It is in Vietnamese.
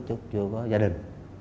chứ chưa có gia đình